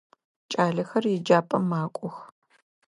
Кӏалэхэр еджапӏэм макӏох.